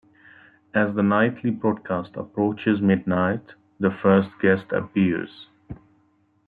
As the nightly broadcast approaches midnight, the first guest appears.